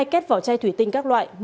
hai két vỏ chai thủy tinh các loại